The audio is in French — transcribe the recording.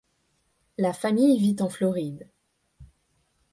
La famille vit en Floride.